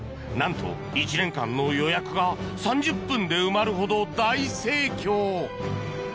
なんと１年間の予約が３０分で埋まるほど大盛況！